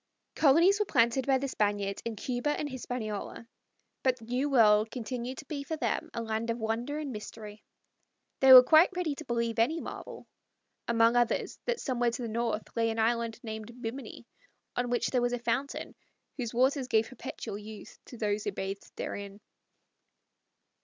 Colonies were planted by the Spaniards in Cuba and Hispaniola, but the New World continued to be for them a land of wonder and mystery. They were quite ready to believe any marvel, among others, that somewhere to the north lay an island named Bimini, on which was a fountain whose waters gave perpetual youth to all who bathed therein.